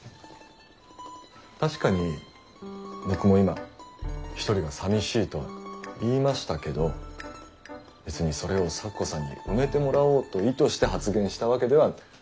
確かに僕も今一人が寂しいとは言いましたけど別にそれを咲子さんに埋めてもらおうと意図して発言したわけでは。